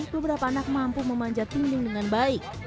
beberapa anak mampu memanjat dinding dengan baik